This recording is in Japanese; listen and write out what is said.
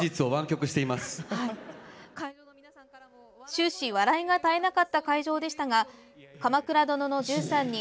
終始笑いが絶えなかった会場でしたが「鎌倉殿の１３人」